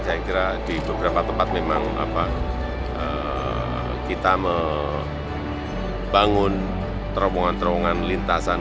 saya kira di beberapa tempat memang kita membangun terowongan terowongan lintasan